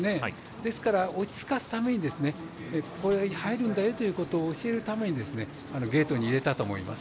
ですから、落ち着かすためにこのように入るんだよということを教えるためにゲートに入れたと思います。